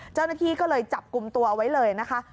เจ้าหน้าที่ก็เลยจับกลุ่มตัวเอาไว้เลยนะคะ